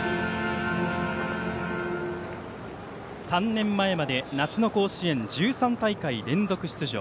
３年前まで夏の甲子園１３大会連続出場。